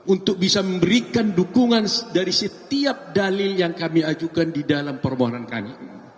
untuk bisa memberikan dukungan dari setiap dalil yang kami ajukan di dalam permohonan kami